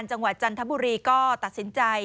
จังหวัดจรรย์ทะบุรีทางนี้ก็ตัดสินใจ